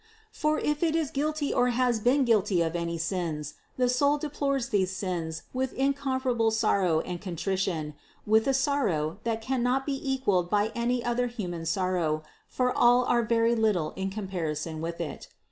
For if it is guilty or has been guilty of any sins, the soul de plores these sins with incomparable sorrow and contrition, with a sorrow, that cannot be equaled by any other human 486 CITY OF GOD sorrow, for all are very little in comparison with it.